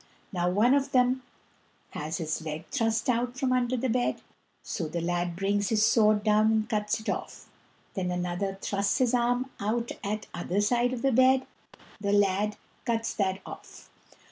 Now one of them has his leg thrust out from under the bed, so the lad brings his sword down and cuts it off. Then another thrusts his arm out at other side of the bed, and the lad cuts that off.